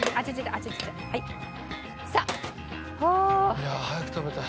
いやあ早く食べたい。